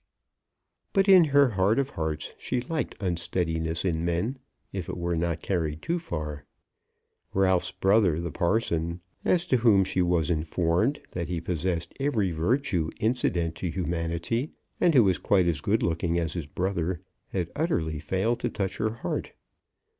But in her heart of hearts she liked unsteadiness in men, if it were not carried too far. Ralph's brother, the parson, as to whom she was informed that he possessed every virtue incident to humanity, and who was quite as good looking as his brother, had utterly failed to touch her heart.